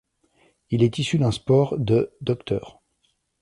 Il est issu d'un sport de 'Dr.